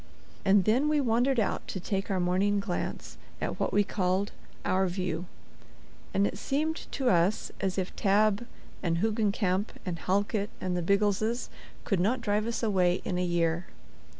And then we wandered out to take our morning glance at what we called "our view"; and it seemed to us as if Tabb and Hoogencamp and Halkit and the Biggleses could not drive us away in a year.